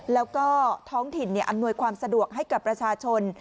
แล้วก็ท้องถิ่นอำนวยความสะดวกให้กับประชาชน